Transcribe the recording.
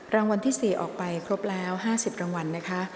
รางวัลที่๔ออกไปครบแล้ว๕๐รางวัลนะคะ